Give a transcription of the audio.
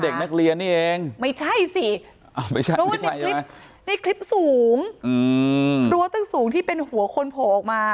เด็กนักเรียนนี่เองไม่ใช่สินี่คลิปสูงรั้วตั้งสูงที่เป็นหัวคนโผล่ออกมา